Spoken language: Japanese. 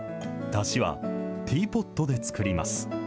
だしはティーポットで作ります。